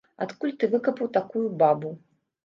Адкуль ты выкапаў такую бабу?